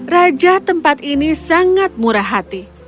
raja tempat ini sangat murah hati